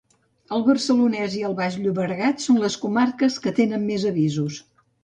El Barcelonès i el Baix Llobregat són les comarques que tenen més avisos.